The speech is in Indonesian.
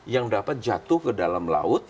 yang dapat jatuh ke dalam laut